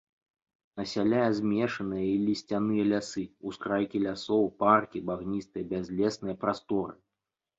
Насяляе змешаныя і лісцяныя лясы, ускрайкі лясоў, паркі, багністыя бязлесныя прасторы.